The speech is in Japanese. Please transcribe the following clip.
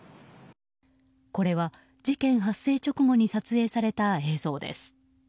これは事件発生直後に撮影された映像です。